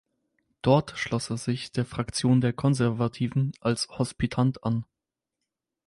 Dort schloss er sich der Fraktion der Konservativen als Hospitant an.